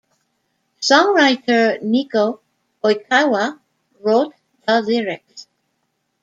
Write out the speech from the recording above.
Songwriter Neko Oikawa wrote the lyrics.